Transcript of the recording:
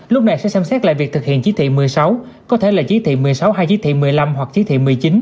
lúc này sẽ xem xét lại việc thực hiện chí thị một mươi sáu có thể là chỉ thị một mươi sáu hai chỉ thị một mươi năm hoặc chí thị một mươi chín